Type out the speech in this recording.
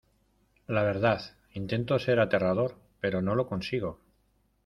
La verdad, intento ser aterrador , pero no lo consigo.